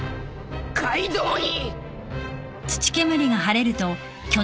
カイドウに！